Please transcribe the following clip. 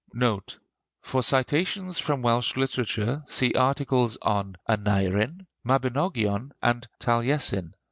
NOTE. For citations from Welsh literature see articles on Aneurin, Mabinogion, and Taliesin.